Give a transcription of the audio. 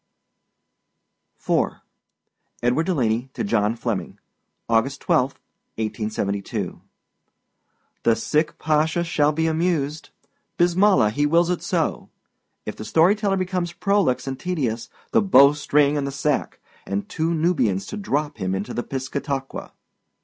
IV. EDWARD DELANEY TO JOHN FLEMMING. August 12, 1872. The sick pasha shall be amused. Bismillah! he wills it so. If the story teller becomes prolix and tedious the bow string and the sack, and two Nubians to drop him into the Piscataqua!